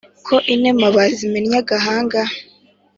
ko imena bazimennye agahanga